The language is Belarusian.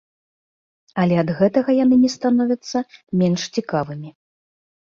Але ад гэтага яны не становяцца менш цікавымі.